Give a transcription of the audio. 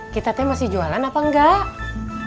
kita teh masih jualan apa enggak